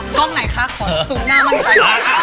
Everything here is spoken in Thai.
ห้องไหนคะขอซูมหน้ามั่นใจ